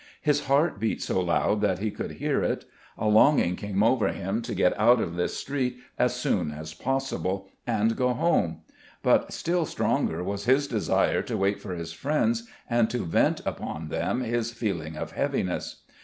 His heart beat so loud that he could hear it. A longing came over him to get out of this street as soon as possible and go home; but still stronger was his desire to wait for his friends and to vent upon them his feeling of heaviness.